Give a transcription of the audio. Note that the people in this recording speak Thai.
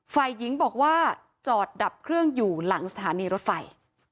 ฝ่ายหญิงบอกว่าจอดดับเครื่องอยู่หลังสถานีรถไฟ